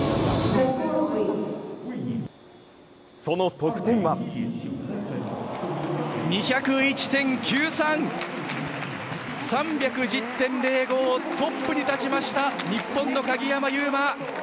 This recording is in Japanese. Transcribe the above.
その得点は２０１．９３、３１０．０５、トップに立ちました、日本の鍵山優真。